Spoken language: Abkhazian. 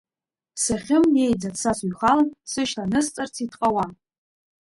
Сахьымнеиӡац са сыҩхалан, сышьҭа анысҵарц иҭҟауа.